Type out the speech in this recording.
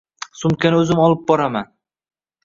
Sumkani o'zim olib boraman.